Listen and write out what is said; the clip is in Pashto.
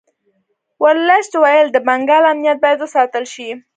ورلسټ ویل د بنګال امنیت باید وساتل شي.